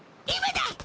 今だ！